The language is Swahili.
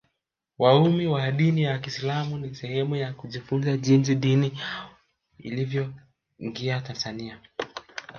waumini wa dini ya kiislamu ni sehemu ya kujifunza jinsi dini yao ilivyoingia tanzania